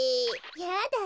やだ